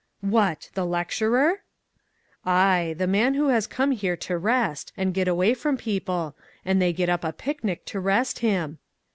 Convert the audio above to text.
"What! the lecturer?" " Aye ; the man who has come here to rest, and get away from people, and they get up a picnic to rest him